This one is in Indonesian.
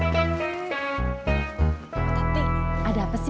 po tatik ada apa sih